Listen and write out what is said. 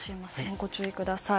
ご注意ください。